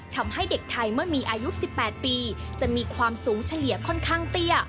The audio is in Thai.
ทำให้เด็กไทยเมื่อมีอายุ๑๘ปีจะมีความสูงเฉลี่ยค่อนข้างเตี้ย